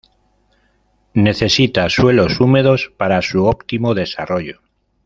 Necesita suelos húmedos para su óptimo desarrollo.